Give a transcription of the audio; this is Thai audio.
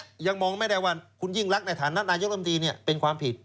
ยังมองไม่ได้ว่าคุณยิ่งรักในฐานะนายกรรมดีเป็นความผิด